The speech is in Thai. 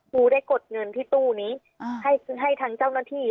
ครูได้กดเงินที่ตู้นี้ให้ทางเจ้าหน้าที่